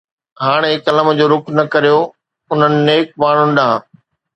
ھاڻي قلم جو رخ نه ڪريو انھن نيڪ ماڻھن ڏانھن.